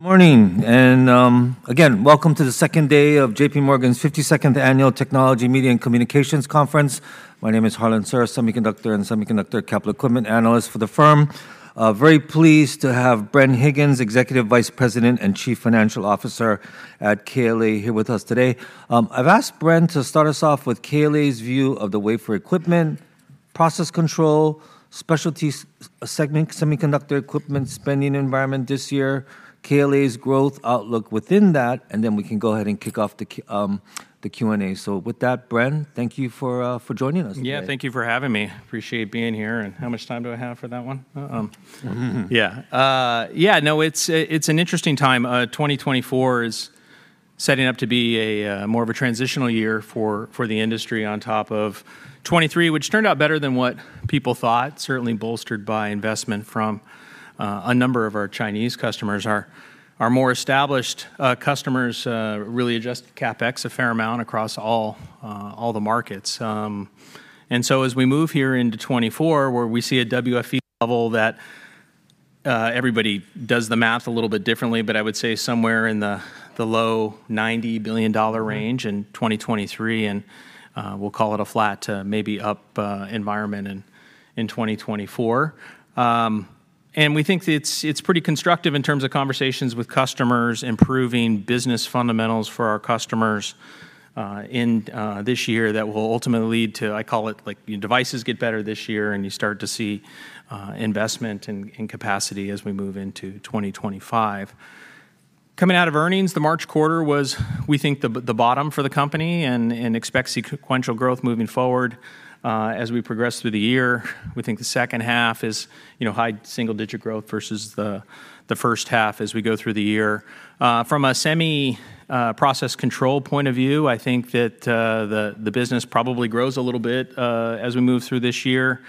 Morning, and, again, welcome to the second day of J.P. Morgan's 52nd Annual Technology, Media, and Communications Conference. My name is Harlan Sur, Semiconductor and Semiconductor Capital Equipment Analyst for the firm. Very pleased to have Bren Higgins, Executive Vice President and Chief Financial Officer at KLA, here with us today. I've asked Bren to start us off with KLA's view of the wafer equipment, process control, specialty segment, semiconductor equipment spending environment this year, KLA's growth outlook within that, and then we can go ahead and kick off the Q&A. So with that, Bren, thank you for, for joining us. Yeah, thank you for having me. Appreciate being here, and how much time do I have for that one? Yeah. Yeah, no, it's an interesting time. 2024 is setting up to be more of a transitional year for the industry on top of 2023, which turned out better than what people thought, certainly bolstered by investment from a number of our Chinese customers. Our more established customers really adjusted CapEx a fair amount across all the markets. And so as we move here into 2024, where we see a WFE level that everybody does the math a little bit differently, but I would say somewhere in the low $90 billion range in 2023, and we'll call it a flat to maybe up environment in 2024. And we think it's pretty constructive in terms of conversations with customers, improving business fundamentals for our customers in this year that will ultimately lead to, I call it, like, your devices get better this year, and you start to see investment in capacity as we move into 2025. Coming out of earnings, the March quarter was, we think, the bottom for the company and expect sequential growth moving forward. As we progress through the year, we think the second half is, you know, high single-digit growth versus the first half as we go through the year. From a semi process control point of view, I think that the business probably grows a little bit as we move through this year.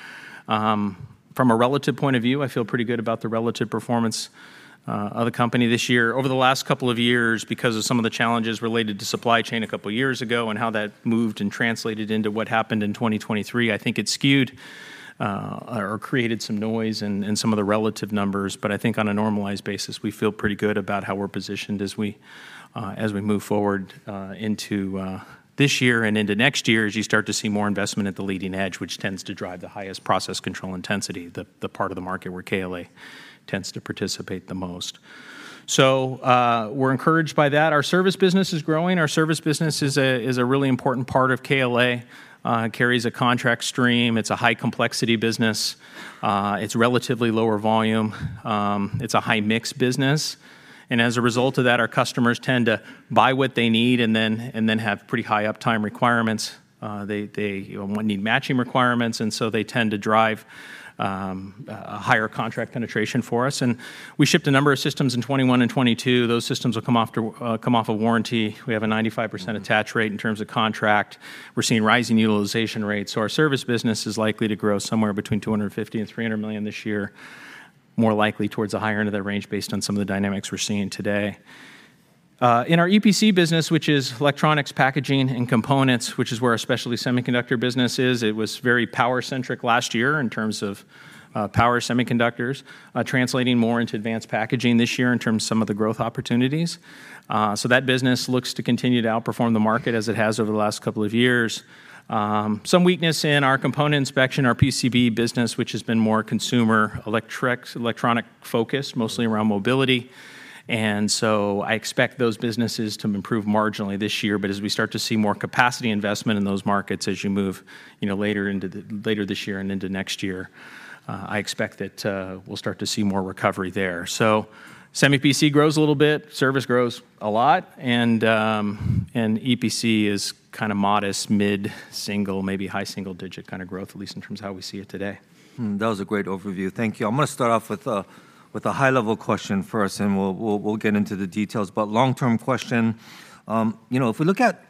From a relative point of view, I feel pretty good about the relative performance of the company this year. Over the last couple of years, because of some of the challenges related to supply chain a couple of years ago and how that moved and translated into what happened in 2023, I think it skewed or created some noise in some of the relative numbers. But I think on a normalized basis, we feel pretty good about how we're positioned as we, as we move forward, into, this year and into next year, as you start to see more investment at the leading edge, which tends to drive the highest process control intensity, the part of the market where KLA tends to participate the most. So, we're encouraged by that. Our service business is growing. Our service business is a really important part of KLA. It carries a contract stream. It's a high-complexity business. It's relatively lower volume. It's a high-mix business, and as a result of that, our customers tend to buy what they need and then have pretty high uptime requirements. They, you know, need matching requirements, and so they tend to drive a higher contract penetration for us. And we shipped a number of systems in 2021 and 2022. Those systems will come off of warranty. We have a 95% attach rate in terms of contract. We're seeing rising utilization rates, so our service business is likely to grow somewhere between $250 million and $300 million this year, more likely towards the higher end of that range, based on some of the dynamics we're seeing today. In our EPC business, which is electronics, packaging, and components, which is where our specialty semiconductor business is, it was very power-centric last year in terms of power semiconductors, translating more into advanced packaging this year in terms of some of the growth opportunities. So that business looks to continue to outperform the market as it has over the last couple of years. Some weakness in our component inspection, our PCB business, which has been more consumer electronics-focused, mostly around mobility. So I expect those businesses to improve marginally this year. But as we start to see more capacity investment in those markets, as you move, you know, later into the later this year and into next year, I expect that we'll start to see more recovery there. So semi PC grows a little bit, service grows a lot, and EPC is kind of modest, mid-single, maybe high single-digit kind of growth, at least in terms of how we see it today. That was a great overview. Thank you. I'm going to start off with a high-level question first, and we'll get into the details. But long-term question, you know, if we look at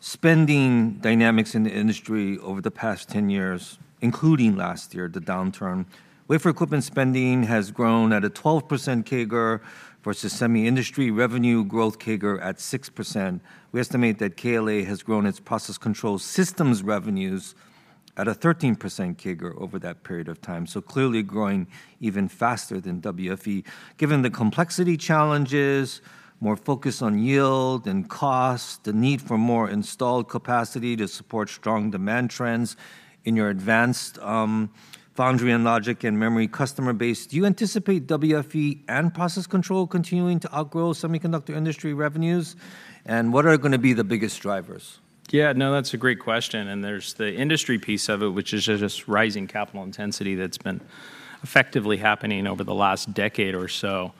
spending dynamics in the industry over the past 10 years, including last year, the downturn, wafer equipment spending has grown at a 12% CAGR versus semi industry revenue growth CAGR at 6%. We estimate that KLA has grown its process control systems revenues at a 13% CAGR over that period of time, so clearly growing even faster than WFE. Given the complexity challenges, more focus on yield and cost, the need for more installed capacity to support strong demand trends in your advanced foundry and logic and memory customer base, do you anticipate WFE and process control continuing to outgrow semiconductor industry revenues? What are going to be the biggest drivers? Yeah, no, that's a great question, and there's the industry piece of it, which is just rising capital intensity that's been effectively happening over the last decade or so.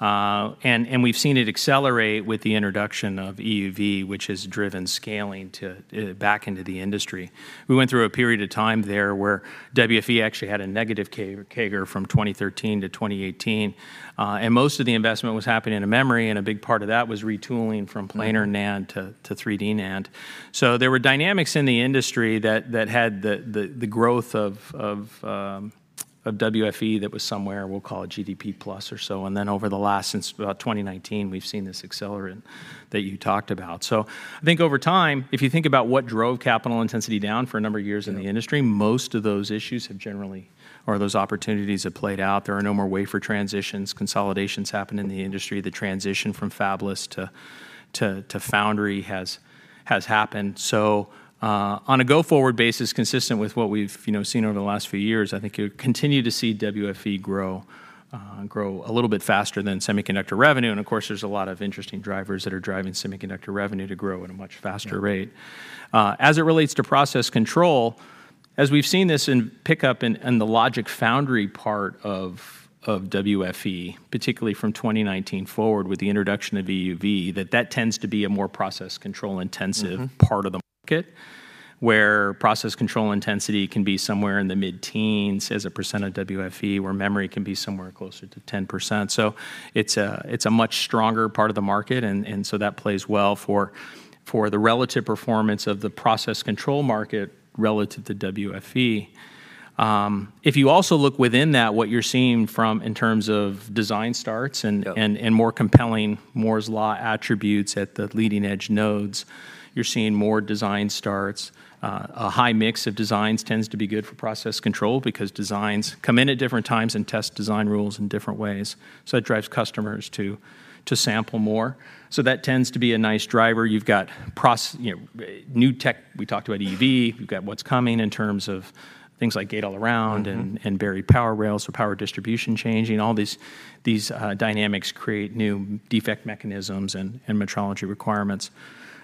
And we've seen it accelerate with the introduction of EUV, which has driven scaling back into the industry. We went through a period of time there where WFE actually had a negative CAGR from 2013 to 2018, and most of the investment was happening in memory, and a big part of that was retooling from planar NAND to 3D NAND. So there were dynamics in the industry that had the growth of WFE that was somewhere, we'll call it GDP plus or so, and then over the last, since about 2019, we've seen this accelerate that you talked about. So I think over time, if you think about what drove capital intensity down for a number of years in the industry most of those issues have generally, or those opportunities have played out. There are no more wafer transitions. Consolidations happened in the industry. The transition from fabless to foundry has happened. So, on a go-forward basis, consistent with what we've, you know, seen over the last few years, I think you'll continue to see WFE grow a little bit faster than semiconductor revenue. And of course, there's a lot of interesting drivers that are driving semiconductor revenue to grow at a much faster rate. As it relates to process control, as we've seen this in pickup and the logic foundry part of WFE, particularly from 2019 forward with the introduction of EUV, that tends to be a more process control intensive part of the market, where process control intensity can be somewhere in the mid-teens is the percentage of WFE, where memory can be somewhere closer to 10%. So it's a, it's a much stronger part of the market, and, and so that plays well for, for the relative performance of the process control market relative to WFE. If you also look within that, what you're seeing from in terms of design starts and more compelling Moore's Law attributes at the leading-edge nodes. You're seeing more design starts. A high mix of designs tends to be good for process control because designs come in at different times and test design rules in different ways. So it drives customers to sample more. So that tends to be a nice driver. You've got process, you know, new tech. We talked about EUV. We've got what's coming in terms of things like gate-all-around and buried power rails, so power distribution changing. All these dynamics create new defect mechanisms and metrology requirements.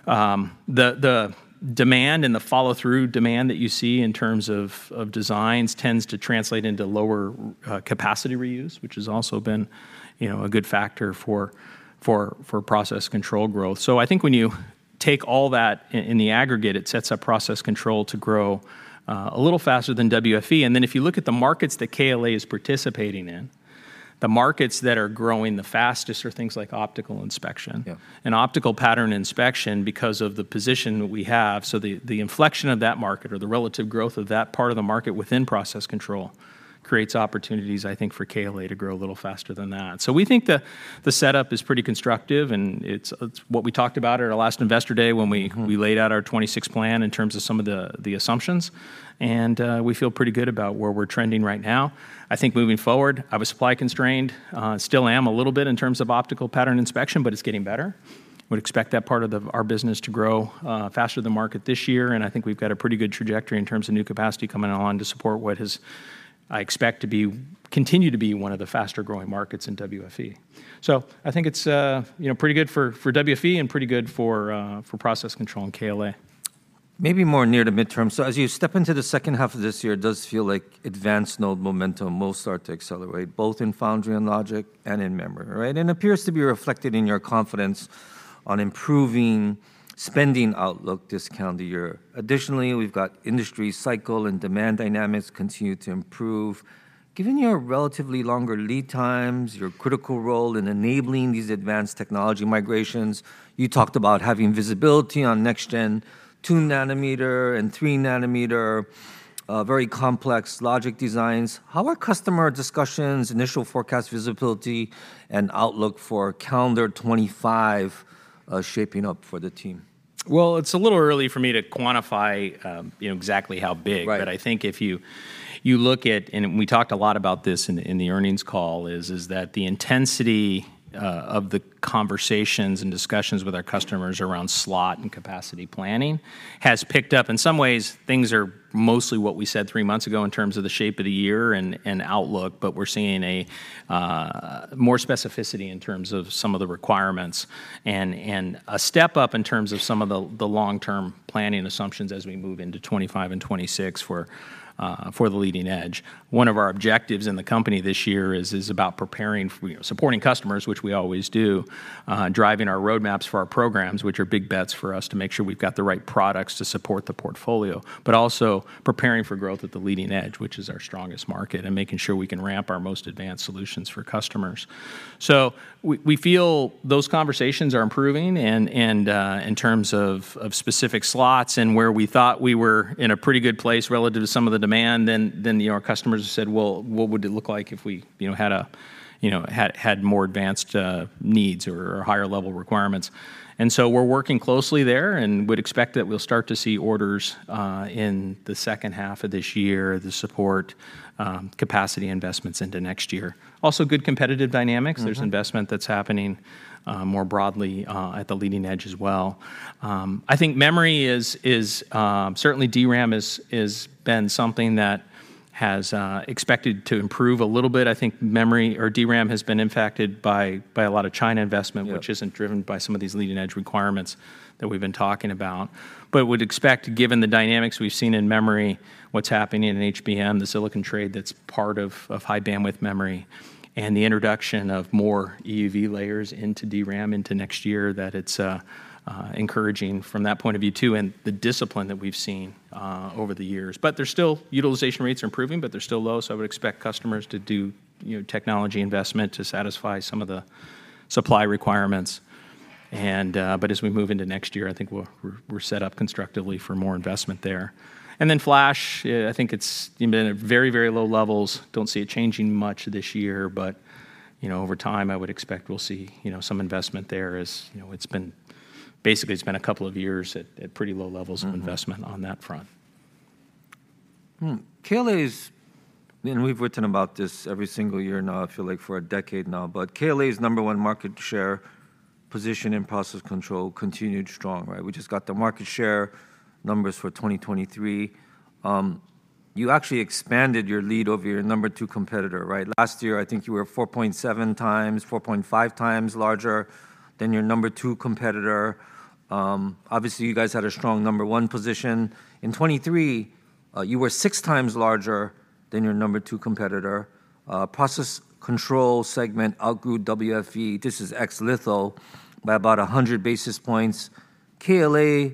The demand and the follow-through demand that you see in terms of designs tends to translate into lower capacity reuse, which has also been, you know, a good factor for process control growth. So I think when you take all that in the aggregate, it sets up process control to grow a little faster than WFE. And then if you look at the markets that KLA is participating in, the markets that are growing the fastest are things like optical inspection. Yeah. Optical pattern inspection, because of the position that we have, so the inflection of that market or the relative growth of that part of the market within process control creates opportunities, I think, for KLA to grow a little faster than that. So we think the setup is pretty constructive, and it's what we talked about at our last Investor Day when we laid out our 2026 plan in terms of some of the assumptions, and we feel pretty good about where we're trending right now. I think moving forward, I was supply constrained, still am a little bit in terms of optical pattern inspection, but it's getting better. Would expect that part of our business to grow faster than market this year, and I think we've got a pretty good trajectory in terms of new capacity coming on to support what has, I expect to be continue to be one of the faster-growing markets in WFE. So I think it's, you know, pretty good for WFE and pretty good for process control and KLA. Maybe more near to midterm. So as you step into the second half of this year, it does feel like advanced node momentum will start to accelerate, both in foundry and logic and in memory, right? And appears to be reflected in your confidence on improving spending outlook this calendar year. Additionally, we've got industry cycle and demand dynamics continue to improve. Given your relatively longer lead times, your critical role in enabling these advanced technology migrations, you talked about having visibility on next-Gen 2-nanometer and 3-nanometer, very complex logic designs. How are customer discussions, initial forecast visibility, and outlook for calendar 2025, shaping up for the team? Well, it's a little early for me to quantify, you know, exactly how big. But I think if you look at, and we talked a lot about this in the earnings call, is that the intensity of the conversations and discussions with our customers around slot and capacity planning has picked up. In some ways, things are mostly what we said three months ago in terms of the shape of the year and outlook, but we're seeing a more specificity in terms of some of the requirements and a step up in terms of some of the long-term planning assumptions as we move into 2025 and 2026 for the leading edge. One of our objectives in the company this year is about preparing for, you know, supporting customers, which we always do, driving our roadmaps for our programs, which are big bets for us to make sure we've got the right products to support the portfolio, but also preparing for growth at the leading edge, which is our strongest market, and making sure we can ramp our most advanced solutions for customers. So we feel those conversations are improving and, in terms of specific slots and where we thought we were in a pretty good place relative to some of the demand, then, you know, our customers said, "Well, what would it look like if we, you know, had more advanced needs or higher-level requirements?" And so we're working closely there and would expect that we'll start to see orders in the second half of this year to support capacity investments into next year. Also, good competitive dynamics. There's investment that's happening, more broadly, at the leading edge as well. I think memory is, certainly DRAM is been something that has expected to improve a little bit. I think memory or DRAM has been impacted by a lot of China investment which isn't driven by some of these leading-edge requirements that we've been talking about. But would expect, given the dynamics we've seen in memory, what's happening in HBM, the silicon trade, that's part of high-bandwidth memory, and the introduction of more EUV layers into DRAM into next year, that it's encouraging from that point of view, too, and the discipline that we've seen over the years. But there's still. Utilization rates are improving, but they're still low, so I would expect customers to do, you know, technology investment to satisfy some of the supply requirements. And but as we move into next year, I think we're set up constructively for more investment there. And then flash, I think it's, you know, been at very, very low levels. Don't see it changing much this year, but, you know, over time, I would expect we'll see, you know, some investment there as, you know, it's been basically it's been a couple of years at pretty low levels of investment on that front. KLA's, and we've written about this every single year now, I feel like, for a decade now, but KLA's number one market share position in process control continued strong, right? We just got the market share numbers for 2023. You actually expanded your lead over your number two competitor, right? Last year, I think you were 4.7x, 4.5x larger than your number two competitor. Obviously, you guys had a strong number one position. In 2023, you were 6 times larger than your number two competitor. Process control segment outgrew WFE, this is ex-litho, by about 100 basis points. KLA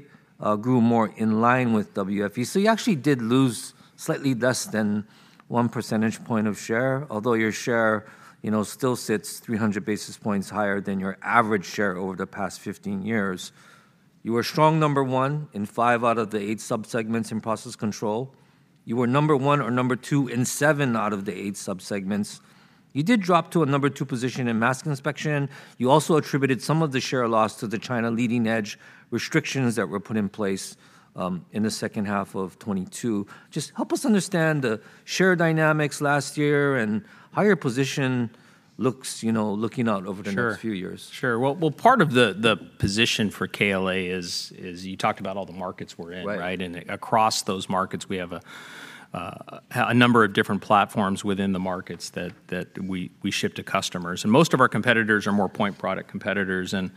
grew more in line with WFE. So you actually did lose slightly less than 1 percentage point of share, although your share, you know, still sits 300 basis points higher than your average share over the past 15 years. You were strong number one in 5 out of the 8 subsegments in process control. You were number one or number two in 7 out of the 8 subsegments. You did drop to a number two position in mask inspection. You also attributed some of the share loss to the China leading-edge restrictions that were put in place, in the second half of 2022. Just help us understand the share dynamics last year and how your position looks, you know, looking out over the next- Sure... few years. Sure. Well, part of the position for KLA is you talked about all the markets we're in, right? Right. Across those markets, we have a number of different platforms within the markets that we ship to customers. Most of our competitors are more point product competitors, and, you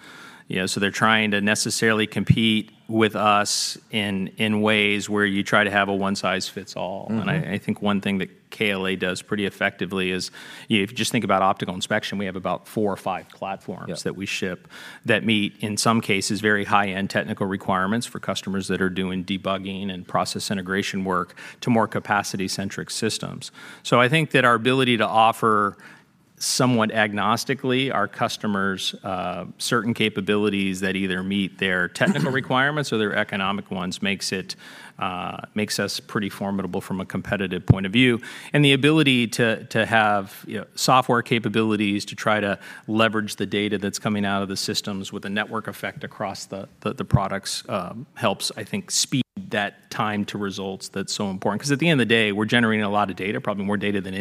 know, so they're trying to necessarily compete with us in ways where you try to have a one-size-fits-all. I think one thing that KLA does pretty effectively is, you know, if you just think about optical inspection, we have about four or five platforms that we ship that meet, in some cases, very high-end technical requirements for customers that are doing debugging and process integration work to more capacity-centric systems. So I think that our ability to offer, somewhat agnostically, our customers, certain capabilities that either meet their technical requirements or their economic ones, makes it, makes us pretty formidable from a competitive point of view. And the ability to have, you know, software capabilities to try to leverage the data that's coming out of the systems with a network effect across the products, helps, I think, speed that time to results that's so important. Because at the end of the day, we're generating a lot of data, probably more data than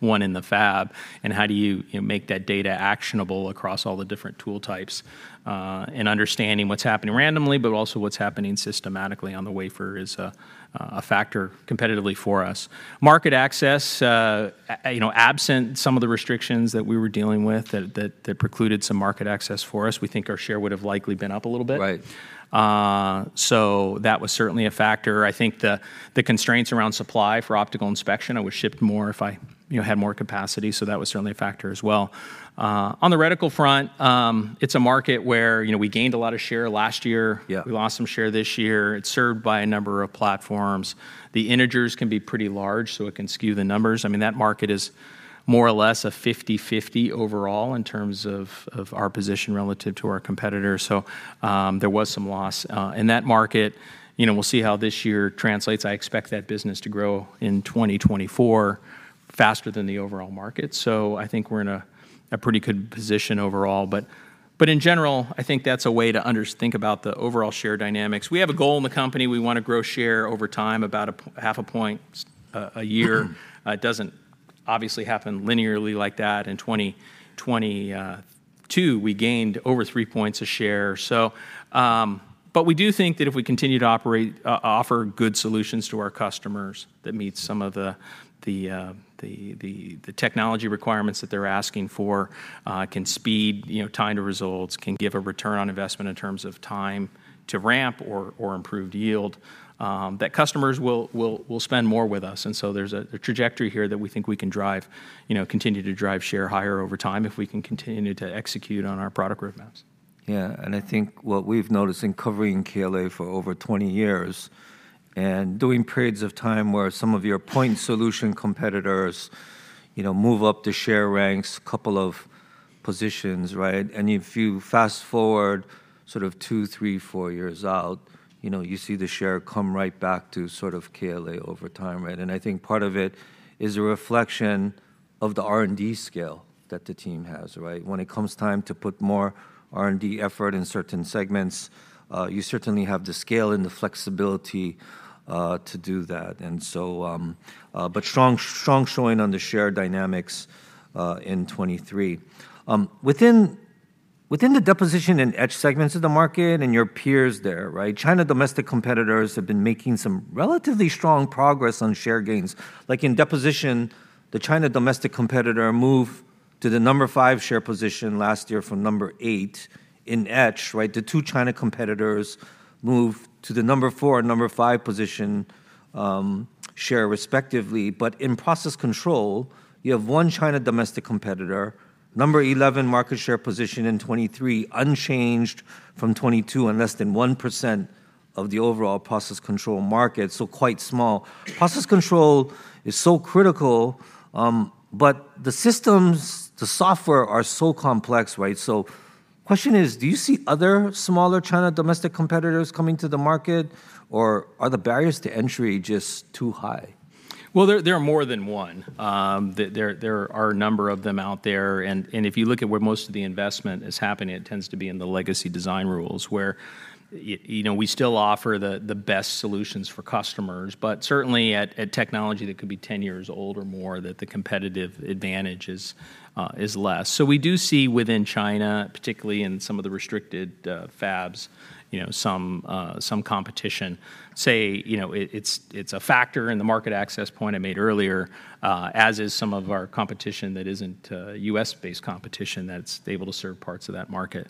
anyone in the fab, and how do you, you know, make that data actionable across all the different tool types? And understanding what's happening randomly, but also what's happening systematically on the wafer is a factor competitively for us. Market access, you know, absent some of the restrictions that we were dealing with, that precluded some market access for us, we think our share would have likely been up a little bit. Right. That was certainly a factor. I think the constraints around supply for optical inspection, I would ship more if I, you know, had more capacity, so that was certainly a factor as well. On the reticle front, it's a market where, you know, we gained a lot of share last year. Yeah. We lost some share this year. It's served by a number of platforms. The integers can be pretty large, so it can skew the numbers. I mean, that market is more or less a 50/50 overall in terms of our position relative to our competitors. So there was some loss in that market. You know, we'll see how this year translates. I expect that business to grow in 2024 faster than the overall market. So I think we're in a pretty good position overall. But in general, I think that's a way to think about the overall share dynamics. We have a goal in the company. We want to grow share over time, about half a point a year. It doesn't obviously happen linearly like that. In 2022, we gained over three points of share. So, but we do think that if we continue to operate, offer good solutions to our customers that meets some of the technology requirements that they're asking for, can speed, you know, time to results, can give a return on investment in terms of time to ramp or improved yield, that customers will spend more with us. And so there's a trajectory here that we think we can drive, you know, continue to drive share higher over time if we can continue to execute on our product roadmaps. Yeah, and I think what we've noticed in covering KLA for over 20 years, and during periods of time where some of your point solution competitors, you know, move up the share ranks a couple of positions, right? And if you fast-forward sort of two, three, four years out, you know, you see the share come right back to sort of KLA over time, right? And I think part of it is a reflection of the R&D scale that the team has, right? When it comes time to put more R&D effort in certain segments, you certainly have the scale and the flexibility to do that. And so, but strong, strong showing on the share dynamics in 2023. Within the deposition and etch segments of the market and your peers there, right, China domestic competitors have been making some relatively strong progress on share gains. Like in deposition, the China domestic competitor moved to the number five share position last year from number eight. In etch, right, the two China competitors moved to the number four and number five position, share respectively. But in process control, you have one China domestic competitor, number 11 market share position in 2023, unchanged from 2022 and less than 1% of the overall process control market, so quite small. Process control is so critical, but the systems, the software are so complex, right? So question is, do you see other smaller China domestic competitors coming to the market, or are the barriers to entry just too high? Well, there are more than one. There are a number of them out there, and if you look at where most of the investment is happening, it tends to be in the legacy design rules, where you know, we still offer the best solutions for customers. But certainly at technology that could be ten years old or more, that the competitive advantage is less. So we do see within China, particularly in some of the restricted fabs, you know, some competition. Say, you know, it's a factor in the market access point I made earlier, as is some of our competition that isn't U.S.-based competition that's able to serve parts of that market.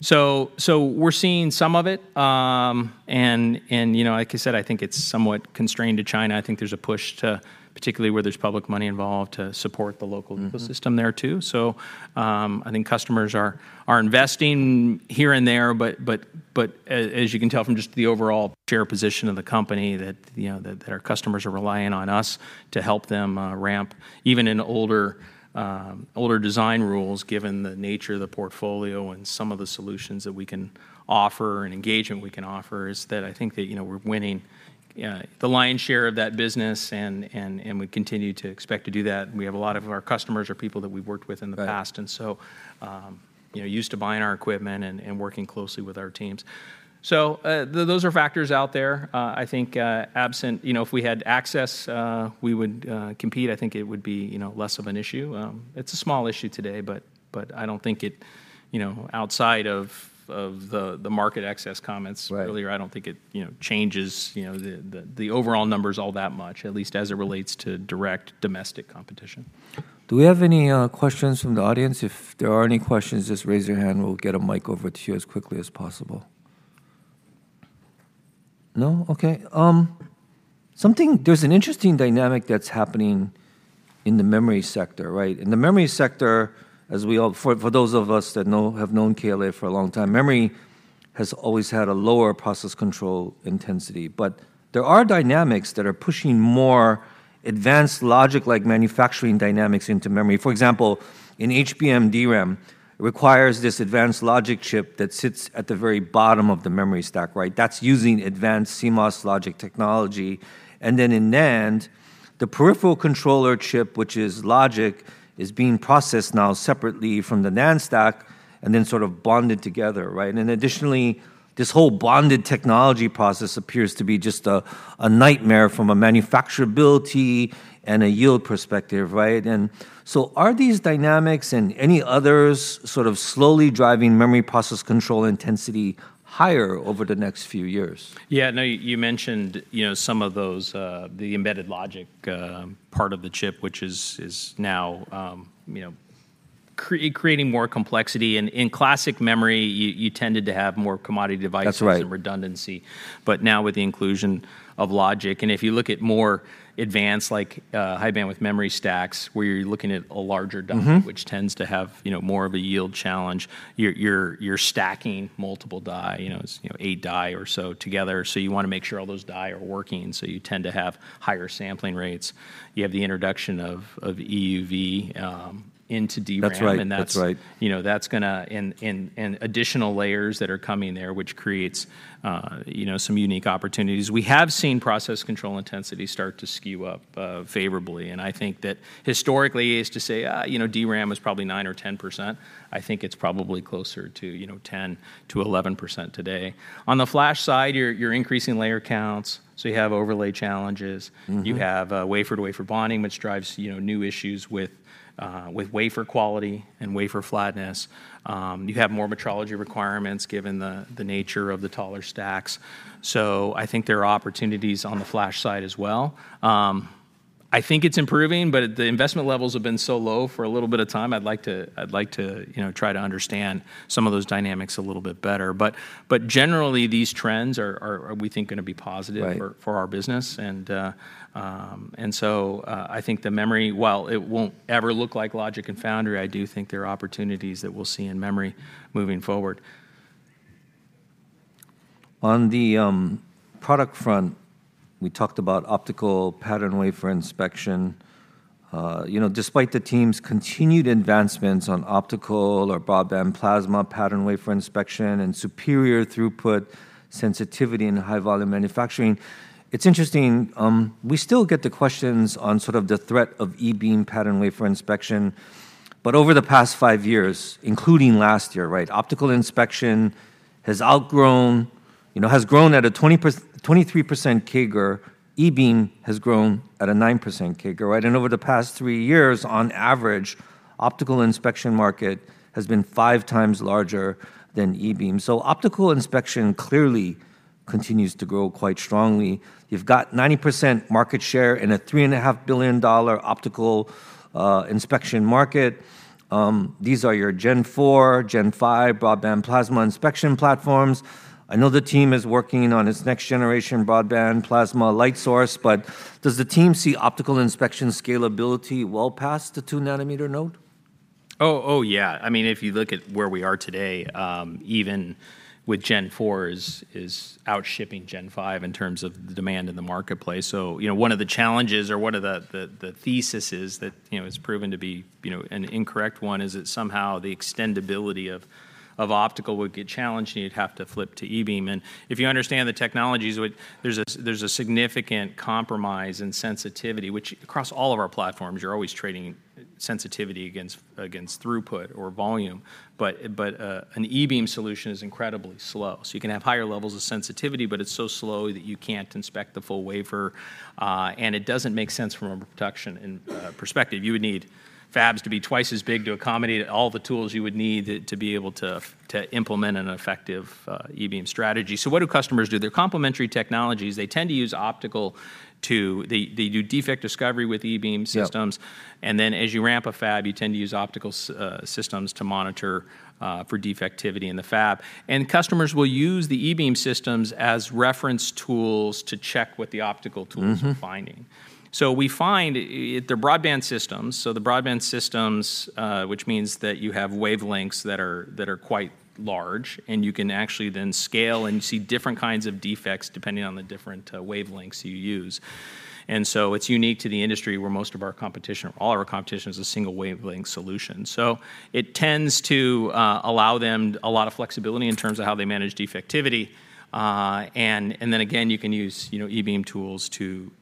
So we're seeing some of it. You know, like I said, I think it's somewhat constrained to China. I think there's a push to, particularly where there's public money involved, to support the local ecosystem there, too. So, I think customers are investing here and there, but as you can tell from just the overall share position of the company, that, you know, that our customers are relying on us to help them ramp, even in older design rules, given the nature of the portfolio and some of the solutions that we can offer, and engagement we can offer, is that I think that, you know, we're winning the lion's share of that business, and we continue to expect to do that. We have a lot of our customers are people that we've worked with in the past-... and so, you know, used to buying our equipment and working closely with our teams. So, those are factors out there. I think, absent, you know, if we had access, we would compete. I think it would be, you know, less of an issue. It's a small issue today, but I don't think it, you know, outside of the market access comments earlier, I don't think it, you know, changes, you know, the overall numbers all that much, at least as it relates to direct domestic competition. Do we have any questions from the audience? If there are any questions, just raise your hand, and we'll get a mic over to you as quickly as possible. No? Okay. Something there's an interesting dynamic that's happening in the memory sector, right? In the memory sector, as we all for those of us that know, have known KLA for a long time, memory has always had a lower process control intensity. But there are dynamics that are pushing more advanced logic, like manufacturing dynamics into memory. For example, in HBM DRAM requires this advanced logic chip that sits at the very bottom of the memory stack, right? That's using advanced CMOS logic technology. And then in NAND, the peripheral controller chip, which is logic, is being processed now separately from the NAND stack and then sort of bonded together, right? Additionally, this whole bonded technology process appears to be just a nightmare from a manufacturability and a yield perspective, right? So are these dynamics and any others sort of slowly driving memory process control intensity higher over the next few years? Yeah, no, you mentioned, you know, some of those, the embedded logic part of the chip, which is now, you know, creating more complexity. In classic memory, you tended to have more commodity devices- That's right and redundancy, but now with the inclusion of logic. And if you look at more advanced like, high bandwidth memory stacks, where you're looking at a larger die which tends to have, you know, more of a yield challenge, you're stacking multiple die, you know, it's, you know, eight die or so together. So you want to make sure all those die are working, so you tend to have higher sampling rates. You have the introduction of EUV into DRAM and that's, you know, that's gonna and additional layers that are coming there, which creates, you know, some unique opportunities. We have seen process control intensity start to skew up, favorably, and I think that historically, I used to say, "you know, DRAM is probably 9 or 10%." I think it's probably closer to, you know, 10% to 11% today. On the flash side, you're increasing layer counts, so you have overlay challenges. You have wafer-to-wafer bonding, which drives, you know, new issues with wafer quality and wafer flatness. You have more metrology requirements, given the nature of the taller stacks. So I think there are opportunities on the flash side as well. I think it's improving, but the investment levels have been so low for a little bit of time. I'd like to, I'd like to, you know, try to understand some of those dynamics a little bit better. But generally, these trends are, we think, gonna be positive for our business. And so, I think the memory, while it won't ever look like logic and foundry, I do think there are opportunities that we'll see in memory moving forward. On the product front, we talked about optical pattern wafer inspection. You know, despite the team's continued advancements on optical or Broadband Plasma pattern wafer inspection and superior throughput sensitivity in high-volume manufacturing, it's interesting, we still get the questions on sort of the threat of E-beam pattern wafer inspection. But over the past five years, including last year, right, optical inspection has outgrown. You know, has grown at a 23% CAGR. E-beam has grown at a 9% CAGR, right? And over the past three years, on average, optical inspection market has been five times larger than E-beam. So optical inspection clearly continues to grow quite strongly. You've got 90% market share in a $3.5 billion optical inspection market. These are your Gen 4, Gen 5 Broadband Plasma inspection platforms. I know the team is working on its next-generation Broadband Plasma light source, but does the team see optical inspection scalability well past the 2-nanometer node? Yeah. I mean, if you look at where we are today, even with Gen 4 is outshipping Gen 5 in terms of the demand in the marketplace. So, you know, one of the challenges or one of the theses that, you know, has proven to be, you know, an incorrect one, is that somehow the extendibility of optical would get challenged, and you'd have to flip to E-beam. And if you understand the technologies, what there's a significant compromise in sensitivity, which across all of our platforms, you're always trading sensitivity against throughput or volume. But an E-beam solution is incredibly slow. So you can have higher levels of sensitivity, but it's so slow that you can't inspect the full wafer, and it doesn't make sense from a production and perspective. You would need fabs to be twice as big to accommodate all the tools you would need to be able to implement an effective E-beam strategy. So what do customers do? They're complementary technologies. They tend to use optical to they do defect discovery with E-beam systems- And then as you ramp a fab, you tend to use optical systems to monitor for defectivity in the fab. And customers will use the E-beam systems as reference tools to check what the optical tools are finding. So we find they're broadband systems, so the broadband systems, which means that you have wavelengths that are, that are quite large, and you can actually then scale and see different kinds of defects depending on the different wavelengths you use. And so it's unique to the industry, where most of our competition, or all of our competition, is a single wavelength solution. So it tends to allow them a lot of flexibility in terms of how they manage defectivity. And then again, you can use, you know, E-beam tools to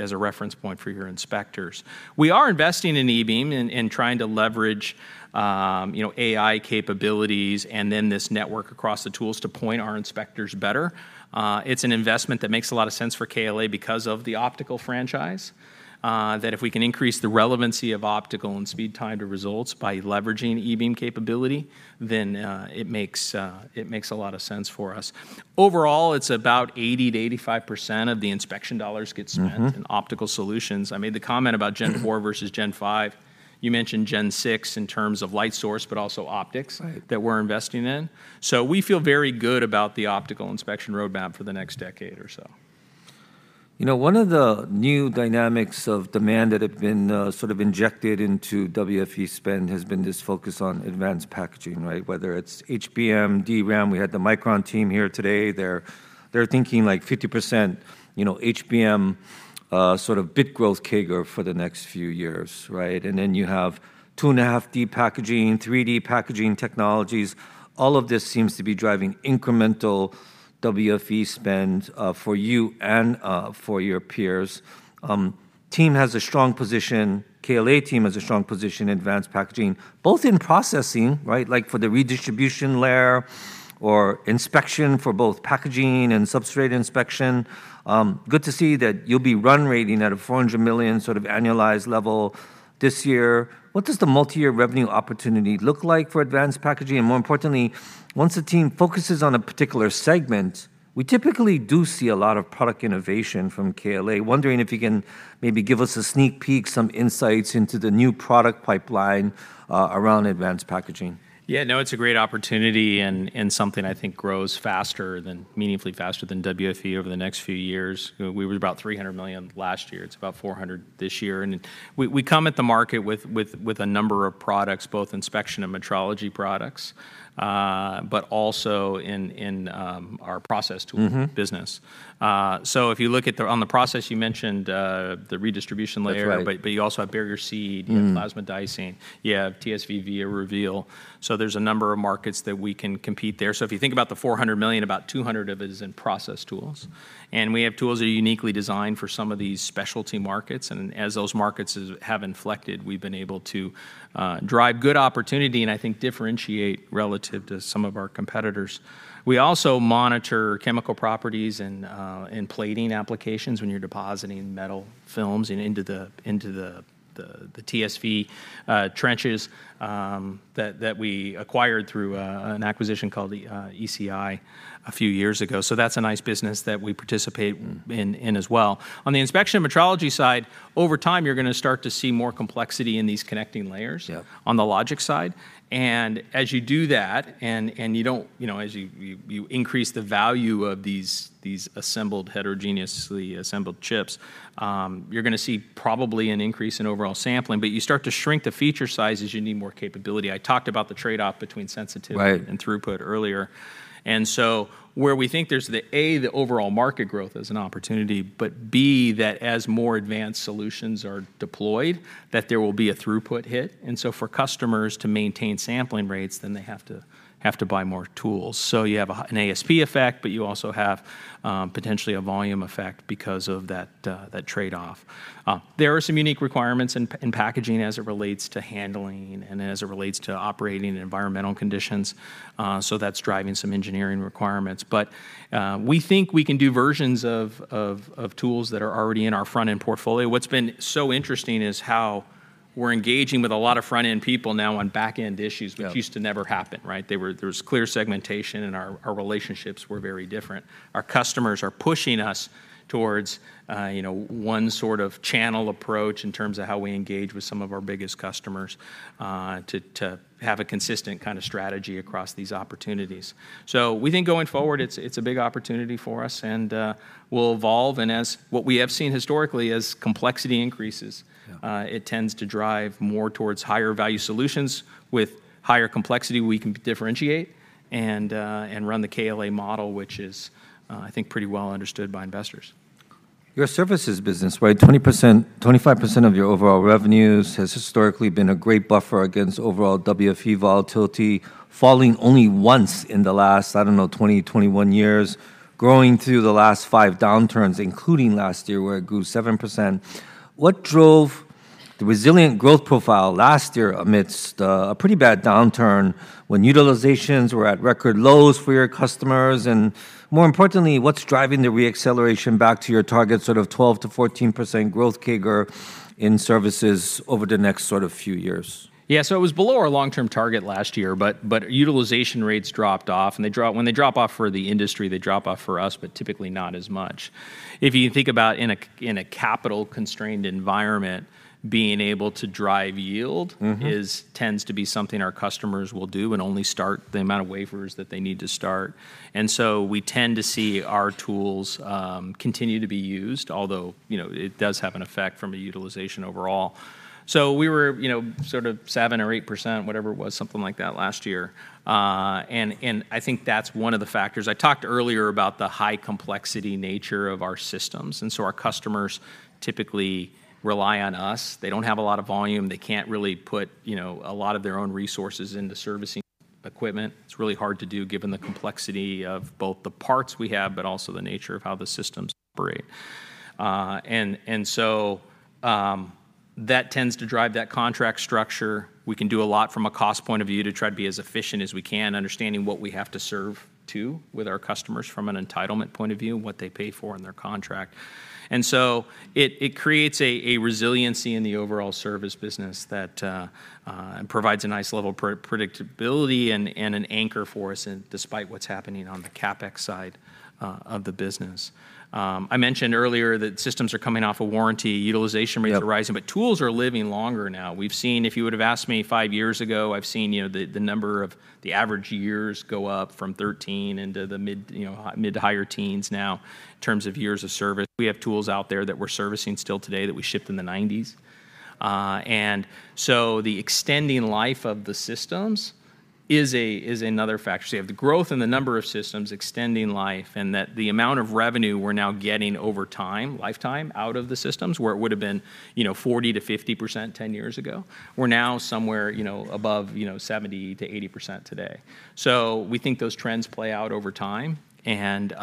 as a reference point for your inspectors. We are investing in E-beam and trying to leverage, you know, AI capabilities, and then this network across the tools to point our inspectors better. It's an investment that makes a lot of sense for KLA because of the optical franchise, that if we can increase the relevancy of optical and speed time to results by leveraging E-beam capability, then, it makes a lot of sense for us. Overall, it's about 80% to 85% of the inspection dollars get spent in optical solutions. I made the comment about Gen 4 versus Gen 5. You mentioned Gen 6 in terms of light source, but also optics that we're investing in. We feel very good about the optical inspection roadmap for the next decade or so. You know, one of the new dynamics of demand that have been sort of injected into WFE spend has been this focus on advanced packaging, right? Whether it's HBM, DRAM, we had the Micron team here today. They're thinking like 50%, you know, HBM sort of bit growth CAGR for the next few years, right? And then you have 2.5D packaging, 3D packaging technologies. All of this seems to be driving incremental WFE spend for you and for your peers. Team has a strong position. KLA team has a strong position in advanced packaging, both in processing, right, like for the redistribution layer or inspection for both packaging and substrate inspection. Good to see that you'll be run-rating at a $400 million sort of annualized level this year. What does the multi-year revenue opportunity look like for advanced packaging? More importantly, once the team focuses on a particular segment, we typically do see a lot of product innovation from KLA. Wondering if you can maybe give us a sneak peek, some insights into the new product pipeline around advanced packaging? Yeah, no, it's a great opportunity and something I think grows faster than, meaningfully faster than WFE over the next few years. We were about $300 million last year. It's about $400 million this year. And we come at the market with a number of products, both inspection and metrology products, but also in our process tool business. So if you look at the process, you mentioned, the redistribution layer- That's right... but you also have barrier seed-You have plasma dicing, you have TSV via reveal. So there's a number of markets that we can compete there. So if you think about the $400 million, about $200 of it is in process tools. And we have tools that are uniquely designed for some of these specialty markets. And as those markets have inflected, we've been able to drive good opportunity and I think differentiate relative to some of our competitors. We also monitor chemical properties and plating applications when you're depositing metal films into the TSV trenches, that we acquired through an acquisition called the ECI a few years ago. So that's a nice business that we participate in as well. On the inspection metrology side, over time, you're going to start to see more complexity in these connecting layers on the logic side. And as you do that, you don't you know, as you increase the value of these assembled, heterogeneously assembled chips, you're going to see probably an increase in overall sampling, but you start to shrink the feature size as you need more capability. I talked about the trade-off between sensitivity and throughput earlier. And so where we think there's the, A, the overall market growth as an opportunity, but B, that as more advanced solutions are deployed, that there will be a throughput hit. And so for customers to maintain sampling rates, then they have to, have to buy more tools. So you have an ASP effect, but you also have potentially a volume effect because of that trade-off. There are some unique requirements in packaging as it relates to handling and as it relates to operating in environmental conditions. So that's driving some engineering requirements. But we think we can do versions of tools that are already in our front-end portfolio. What's been so interesting is how we're engaging with a lot of front-end people now on back-end issues which used to never happen, right? There was clear segmentation, and our relationships were very different. Our customers are pushing us towards, you know, one sort of channel approach in terms of how we engage with some of our biggest customers, to have a consistent kind of strategy across these opportunities. So we think going forward, it's a big opportunity for us, and we'll evolve. And as what we have seen historically, as complexity increases- Yeah... it tends to drive more towards higher value solutions. With higher complexity, we can differentiate and run the KLA model, which is, I think, pretty well understood by investors. Your services business, right? 20% to 25% of your overall revenues has historically been a great buffer against overall WFE volatility, falling only once in the last, I don't know, 20 to 21 years, growing through the last five downturns, including last year, where it grew 7%. What drove the resilient growth profile last year amidst a pretty bad downturn, when utilizations were at record lows for your customers? And more importantly, what's driving the re-acceleration back to your target, sort of 12% to 14% growth CAGR in services over the next sort of few years? Yeah, so it was below our long-term target last year, but utilization rates dropped off, and when they drop off for the industry, they drop off for us, but typically not as much. If you think about in a capital-constrained environment, being able to drive yield this tends to be something our customers will do and only start the amount of wafers that they need to start. And so we tend to see our tools continue to be used, although, you know, it does have an effect from a utilization overall. So we were, you know, sort of 7% to 8%, whatever it was, something like that, last year. And I think that's one of the factors. I talked earlier about the high complexity nature of our systems, and so our customers typically rely on us. They don't have a lot of volume. They can't really put, you know, a lot of their own resources into servicing equipment. It's really hard to do, given the complexity of both the parts we have, but also the nature of how the systems operate. And so, that tends to drive that contract structure. We can do a lot from a cost point of view to try to be as efficient as we can, understanding what we have to serve, too, with our customers from an entitlement point of view and what they pay for in their contract. And so it creates a resiliency in the overall service business that provides a nice level of predictability and an anchor for us, and despite what's happening on the CapEx side of the business. I mentioned earlier that systems are coming off a warranty. Utilization rates are rising, but tools are living longer now. We've seen, if you would've asked me five years ago, I've seen, you know, the number of the average years go up from 13 into the mid, you know, mid- to higher teens now, in terms of years of service. We have tools out there that we're servicing still today that we shipped in the 1990s. And so the extending life of the systems is another factor. So you have the growth in the number of systems extending life, and that the amount of revenue we're now getting over time, lifetime, out of the systems, where it would've been, you know, 40% to 50% 10 years ago, we're now somewhere, you know, above, you know, 70% to 80% today. So we think those trends play out over time, and,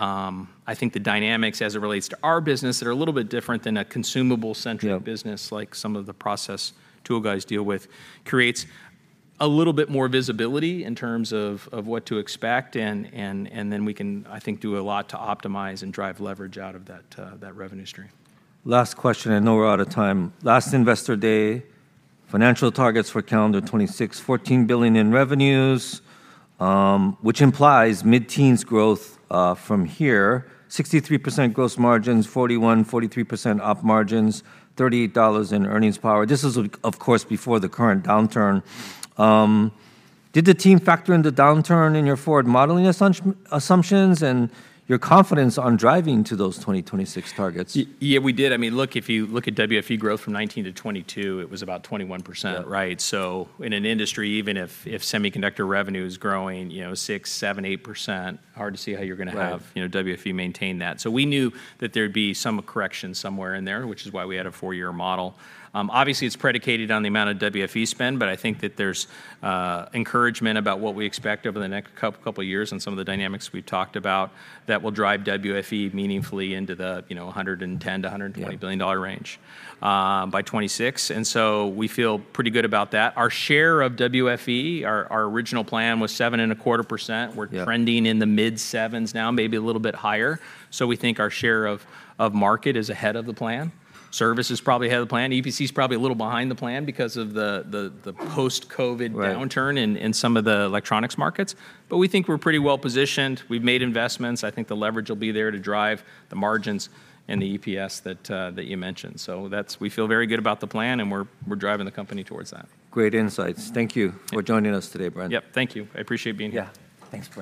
I think the dynamics as it relates to our business that are a little bit different than a consumable-centric business, like some of the process tool guys deal with, creates a little bit more visibility in terms of what to expect, and then we can, I think, do a lot to optimize and drive leverage out of that revenue stream. Last question. I know we're out of time. Last Investor Day, financial targets for calendar 2026, $14 billion in revenues, which implies mid-teens growth, from here, 63% gross margins, 41% to 43% op margins, $38 in earnings power. This is, of course, before the current downturn. Did the team factor in the downturn in your forward modeling assumptions, and your confidence on driving to those 2026 targets? Yeah, we did. I mean, look, if you look at WFE growth from 2019 to 2022, it was about 21%. Right. So in an industry, even if semiconductor revenue is growing, you know, 6% to 8%, hard to see how you're gonna have you know, WFE maintain that. So we knew that there'd be some correction somewhere in there, which is why we had a four-year model. Obviously, it's predicated on the amount of WFE spend, but I think that there's encouragement about what we expect over the next couple of years and some of the dynamics we've talked about that will drive WFE meaningfully into the, you know, 110 to 100 and $20 billion range by 2026. So we feel pretty good about that. Our share of WFE, our original plan was 7.25%. Yep. We're trending in the mid-sevens now, maybe a little bit higher. So we think our share of market is ahead of the plan. Services is probably ahead of the plan. EPC is probably a little behind the plan because of the post-COVID- Right... downturn in some of the electronics markets. But we think we're pretty well-positioned. We've made investments. I think the leverage will be there to drive the margins and the EPS that you mentioned. So that's. We feel very good about the plan, and we're driving the company towards that. Great insights. Thank you for joining us today, Bren. Yep. Thank you. I appreciate being here. Yeah. Thanks, Bren.